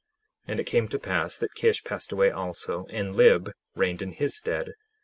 10:18 And it came to pass that Kish passed away also, and Lib reigned in his stead.